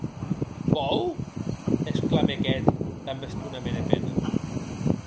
Pòur!, exclamèc eth, damb estonament e pena.